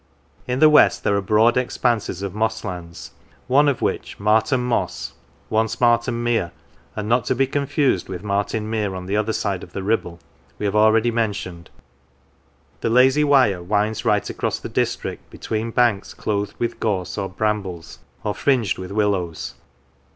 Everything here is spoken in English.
In the west there are broad expanses of mosslands, one of which, Marton Moss, once Marton Mere (and not to be confused with Martin Mere on the other side of the Kibble), we have already mentioned. The lazy Wyre winds right across the district between banks clothed with gorse or brambles or fringed with willows.